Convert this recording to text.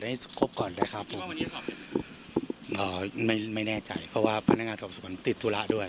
ให้ครบก่อนด้วยครับผมไม่ไม่แน่ใจเพราะว่าพนักงานสอบสวนติดธุระด้วย